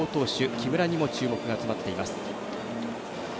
木村にも注目が集まっています。